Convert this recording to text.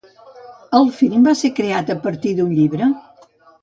El film va ser creat a partir d'un llibre?